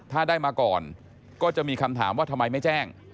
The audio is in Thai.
ถ้าได้มาก่อนก็จะมีคำถามว่าทำไมไม่แจ้ง